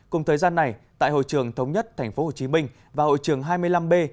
cùng thời gian này tại hội trường thống nhất tp hcm và hội trường hai mươi năm b